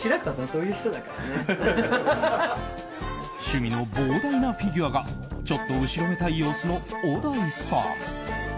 趣味の膨大なフィギュアがちょっと後ろめたい様子の小田井さん。